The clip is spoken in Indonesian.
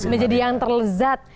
menjadi yang terlezat